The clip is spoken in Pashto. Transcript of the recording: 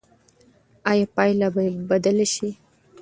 ایا پایله به بدله شي؟